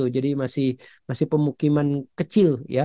jadi masih pemukiman kecil